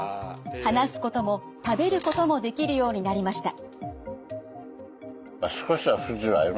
話すことも食べることもできるようになりました。